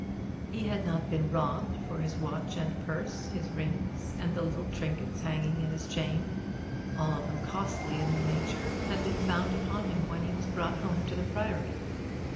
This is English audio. He had not been robbed; for his watch and purse, his rings, and the little trinkets hanging at his chain, all of them costly in their nature, had been found upon him when he was brought home to the Priory.